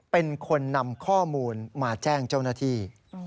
เป็นคนนำข้อมูลมาแจ้งเจ้าหน้าที่